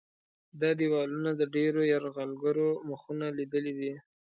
دا دیوالونه د ډېرو یرغلګرو مخونه لیدلي دي.